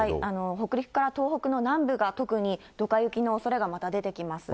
北陸から東北の南部が、特にドカ雪のおそれがまた出てきます。